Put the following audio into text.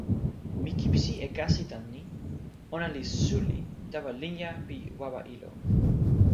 mi kipisi e kasi tan ni: ona li suli tawa linja pi wawa ilo.